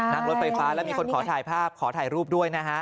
รถไฟฟ้าแล้วมีคนขอถ่ายภาพขอถ่ายรูปด้วยนะฮะ